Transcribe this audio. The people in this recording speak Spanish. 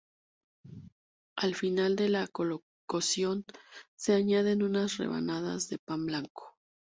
Al final de la cocción se añaden unas rebanadas de pan blanco.